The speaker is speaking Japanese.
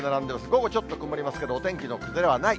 午後ちょっと曇りますけど、お天気の崩れはない。